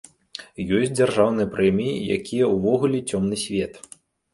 Ёсць дзяржаўныя прэміі, якія ўвогуле цёмны свет.